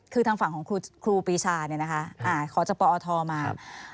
คือทางฝั่งของครูปีชาเนี่ยนะคะขอจากปอทมา